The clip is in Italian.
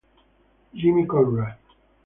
Jimmy Conrad